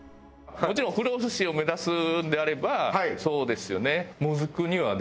もちろん不老不死を目指すのであればそうですよねもずくにはですね